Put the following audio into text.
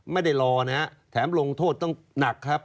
ไม่ได้รอนะฮะแถมลงโทษต้องหนักครับ